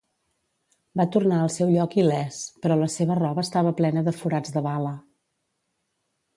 Va tornar al seu lloc il·lès, però la seva roba estava plena de forats de bala.